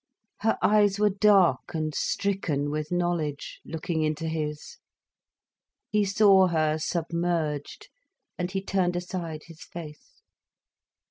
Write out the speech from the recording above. Her eyes were dark and stricken with knowledge, looking into his. He saw her submerged, and he turned aside his face.